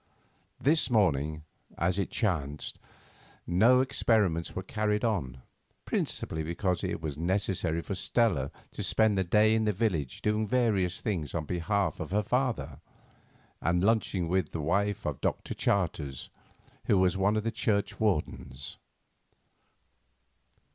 This morning, as it chanced, no experiments were carried on, principally because it was necessary for Stella to spend the day in the village doing various things on behalf of her father, and lunching with the wife of Dr. Charters, who was one of the churchwardens.